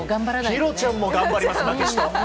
弘ちゃんも頑張ります！